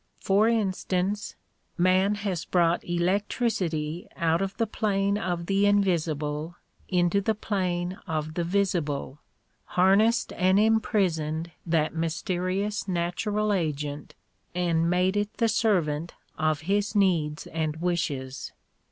For instance, man has brought electricity out of the plane of the invisible into the plane of the visible, harnessed and imprisoned that mysterious natural agent and made it the servant of his needs and wishes.